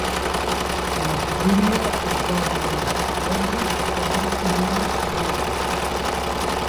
La família es va mudar a Londres quan ell tenia nou anys.